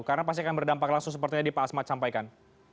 karena pasti akan berdampak langsung seperti yang di pak asmat sampaikan